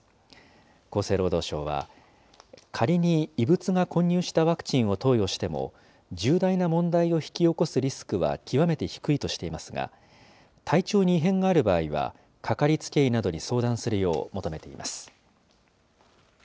厚生労働省は、仮に異物が混入したワクチンを投与しても、重大な問題を引き起こすリスクは極めて低いとしていますが、体調に異変がある場合は、かかりつけ医などに相談するよう求めています。